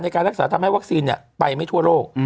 การรักษาทำให้วัคซีนไปไม่ทั่วโลก